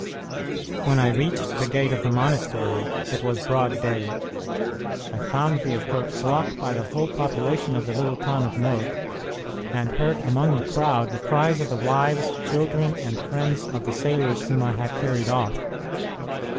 When I reached the gate of the monastery, it was broad day. I found the approach blocked by the whole population of the little town of Molk, and heard among the crowd the cries of the wives, children, and friends of the sailors whom I had carried off.